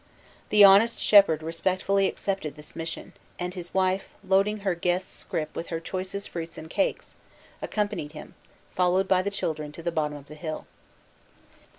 The honest shepherd respectfully accepted this mission; and his wife, loading her guest's scrip with her choicest fruits and cakes, accompanied him, followed by the children, to the bottom of the hill.